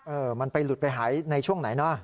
เออมันไปหลุดไปหายในช่วงไหนนะ